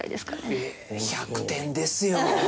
えーっ１００点ですよ。